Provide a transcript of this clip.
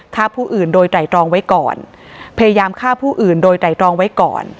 ฆ่าผู้อื่นโดยไตรรองไว้ก่อนพยายามฆ่าผู้อื่นโดยไตรรองไว้ก่อน